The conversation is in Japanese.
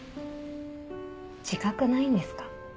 自覚ないんですか？